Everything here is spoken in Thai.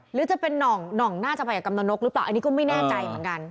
หรือจะเป็นน่องหน่องน่าจะไปกับกำลังนกหรือเปล่าอันนี้ก็ไม่แน่ใจเหมือนกัน